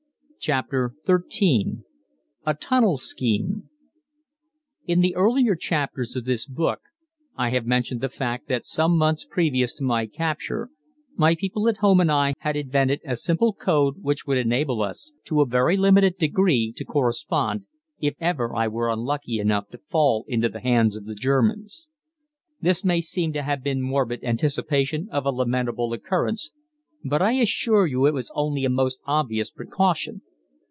CHAPTER XIII A TUNNEL SCHEME In the earlier chapters of this book I have mentioned the fact that some months previous to my capture my people at home and I had invented a simple code which would enable us, to a very limited degree, to correspond, if ever I were unlucky enough to fall into the hands of the Germans. This may seem to have been morbid anticipation of a lamentable occurrence, but I assure you it was only a most obvious precaution.